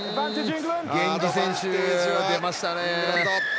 ゲンジ選手が出ましたね。